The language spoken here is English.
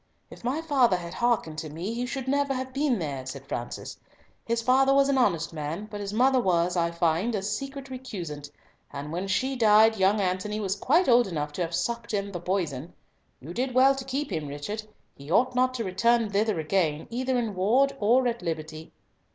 "If my father had hearkened to me, he should never have been here," said Francis. "His father was an honest man, but his mother was, I find, a secret recusant, and when she died, young Antony was quite old enough to have sucked in the poison. You did well to keep him, Richard; he ought not to return hither again, either in ward or at liberty."